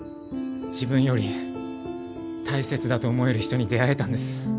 自分より大切だと思える人に出会えたんです。